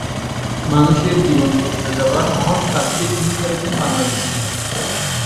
মানুষের জীবন বদলে দেওয়ার মহৎ কাজটি তিনি করছেন বাংলাদেশে।